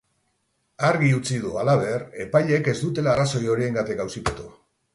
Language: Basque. Argi utzi du, halaber, epaileek ez dutela arrazoi horiengatik auzipetu.